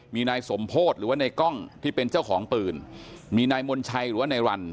มีนายสมโพธิหรือว่าในกล้องที่เป็นเจ้าของปืนมีนายมนชัยหรือว่านายรัน